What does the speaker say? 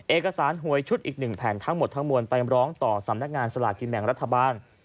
เอกสารหวยชุดอีก๑แผ่นทั้งหมดทั้งมวลไปร้องต่อสำนักงานสลากกินแบ่งรัฐบาล